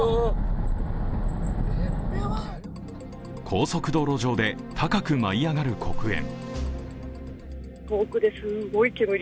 高速道路上で高く舞い上がる黒煙。